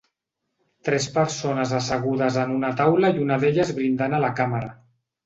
Tres persones assegudes en una taula i una d'elles brindant a la càmera.